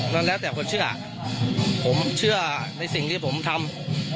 แล้วแต่คนเชื่อผมเชื่อในสิ่งที่ผมทำ